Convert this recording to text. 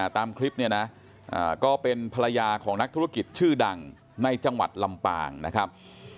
ตามคลิปเนี่ยนะก็เป็นภรรยาของนักธุรกิจชื่อดังในจังหวัดลำปางนะครับ